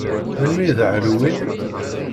Melmi i d Halloween?